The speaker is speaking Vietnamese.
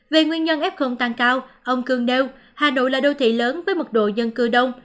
về nguyên nhân f tăng cao ông cương nêu hà nội là đô thị lớn với mật độ dân cư đông